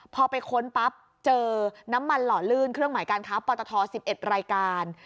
พอไปค้นปั๊บเจอน้ำมันหล่อลื่นเครื่องหมายการค้าปตท๑๑รายการ